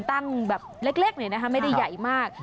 ตั้งแบบเล็กหน่อยนะคะไม่ได้ใหญ่มาก